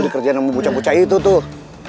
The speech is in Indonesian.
lu di kerjaan emang bucah bucah itu tuh